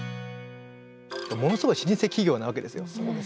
ものすごい老舗企業なわけですよ。